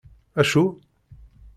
Acu?